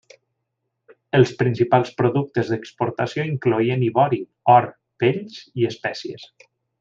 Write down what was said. Els principals productes d'exportació incloïen ivori, or, pells i espècies.